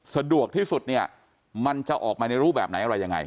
สะดวกที่สุดเนี่ยมันจะออกมาในรูปแบบไหนอะไรยังไง